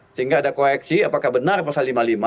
sehingga ada koreksi apakah benar pasal lima puluh lima